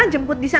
jemput di sana ya